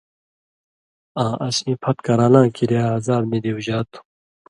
آں اسیں پھت کران٘لاں کِریا عذاب نی دیوژا تُھو،